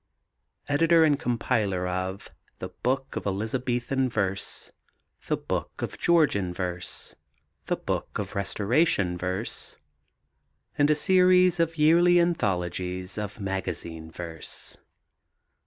Editor and compiler of The Book of Elizabethan Verse, The Book of Georgian Verse, The Book of Restoration Verse and a series of yearly anthologies of magazine verse.